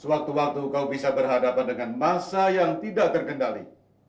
sewaktu waktu kau bisa berhadapan dengan masa yang tidak terkendali